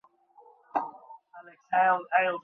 অই রিসার্চে আমারও সমান অবদান ছিল।